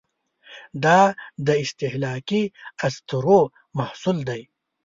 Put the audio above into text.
دا د استهلاکي اسطورو محصول دی.